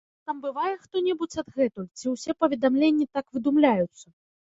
Але ж там бывае хто-небудзь адгэтуль ці ўсе паведамленні так выдумляюцца?